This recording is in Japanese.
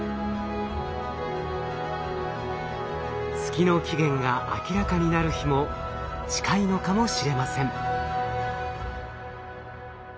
月の起源が明らかになる日も近いのかもしれません。